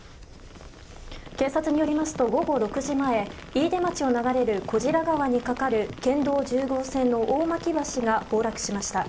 警察によりますと午後６時前飯豊町を流れる小白川に架かる県道１０号線の大巻橋が崩落しました。